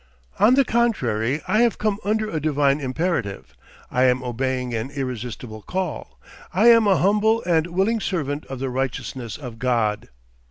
On the contrary I have come under a divine imperative, I am obeying an irresistible call, I am a humble and willing servant of the righteousness of God.